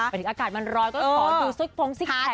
เผื่อถึงอากาศมันร้อยก็ต้องขอดูสุดท้องซิกแท็กน้อย